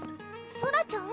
ソラちゃん？